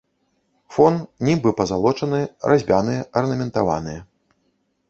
Фон, німбы пазалочаныя, разьбяныя, арнаментаваныя.